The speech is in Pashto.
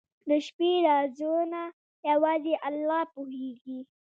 • د شپې رازونه یوازې الله پوهېږي.